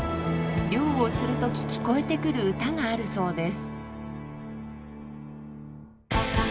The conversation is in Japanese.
漁をする時聞こえてくる歌があるそうです。